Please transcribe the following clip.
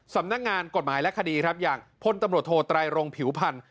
สำนักงานกฎหมายและคดีครับอย่างพลตำรวจโทไตรรงผิวพันธ์